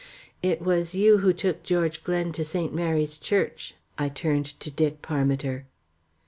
It was you who took George Glen to St. Mary's Church," I turned to Dick Parmiter.